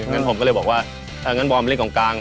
งั้นผมก็เลยบอกว่าถ้างั้นบอมเล่นของกลาง